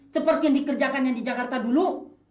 seperti yang dikerjakan yang di jakarta dulu